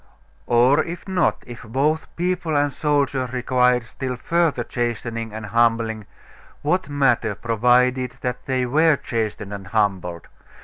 Or if not if both people and soldiers required still further chastening and humbling what matter, provided that they were chastened and humbled?